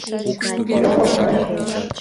Кӧ колтыш?